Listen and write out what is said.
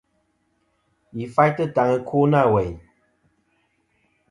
Yi faytɨ taŋ ɨkwo nâ weyn.